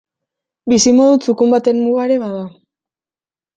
Bizimodu txukun baten muga ere bada.